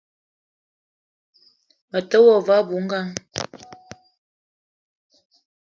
Me te wa ve abui-ngang